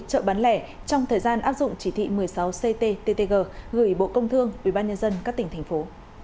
chợ bán lẻ trong thời gian áp dụng chỉ thị một mươi sáu cttg gửi bộ công thương ubnd các tỉnh thành phố